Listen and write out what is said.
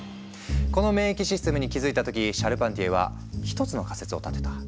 この免疫システムに気付いた時シャルパンティエは一つの仮説を立てた。